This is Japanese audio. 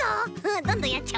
どんどんやっちゃお。